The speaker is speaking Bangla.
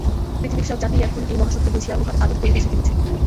পৃথিবীর সব জাতিই এখন এই মহাসত্য বুঝিয়া উহার আদর করিতে শিখিতেছে।